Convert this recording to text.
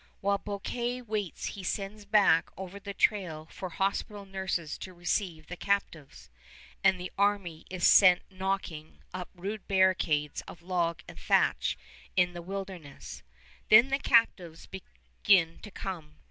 While Bouquet waits he sends back over the trail for hospital nurses to receive the captives, and the army is set knocking up rude barracks of log and thatch in the wilderness. Then the captives begin to come.